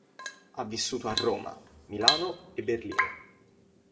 Ha vissuto a Roma, Milano e Berlino.